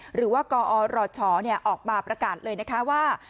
หรือว่ากอรชออกมาประกาศเลยนะคะว่า